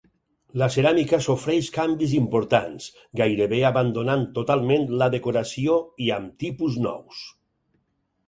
La ceràmica sofreix canvis importants, gairebé abandonant totalment la decoració i amb tipus nous.